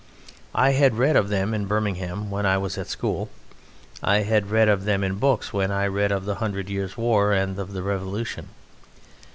I had read of them in Birmingham when I was at school; I had read of them in books when I read of the Hundred Years' War and of the Revolution.